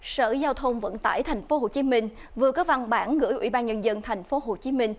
sở giao thông vận tải tp hcm vừa có văn bản gửi ủy ban nhân dân tp hcm